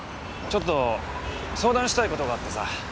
ちょっと相談したい事があってさ。